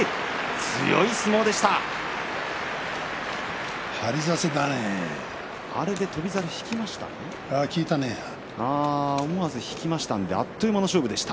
強い相撲でした。